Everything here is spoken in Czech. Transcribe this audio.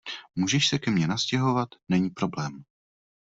Můžeš se ke mě nastěhovat, není problém.